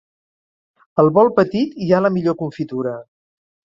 Al bol petit hi ha la millor confitura.